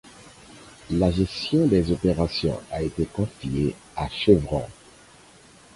La gestion des opérations a été confiée à Chevron.